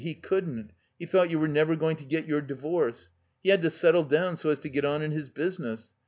He couldn't. He thought you were never going to get your divorce. He had to settle down so as to get on in his business.